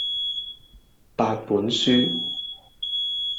八本書